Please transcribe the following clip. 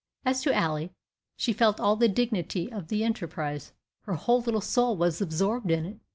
As to Ally, she felt all the dignity of the enterprise her whole little soul was absorbed in it.